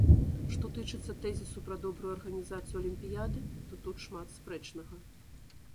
Што тычыцца тэзісу пра добрую арганізацыю алімпіяды, то тут шмат спрэчнага.